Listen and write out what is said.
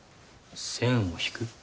線を引く？